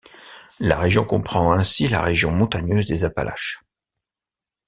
La région comprend ainsi la région montagneuse des Appalaches.